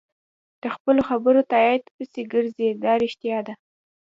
د خپلو خبرو تایید پسې ګرځي دا رښتیا دي.